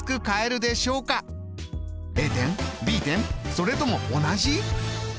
それとも同じ？